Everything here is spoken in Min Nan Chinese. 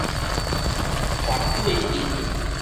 斜對面